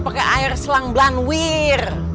pakai air selang belang wir